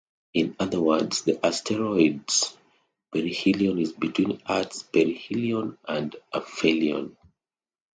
In other words, the asteroid's perihelion is between Earth's perihelion and aphelion.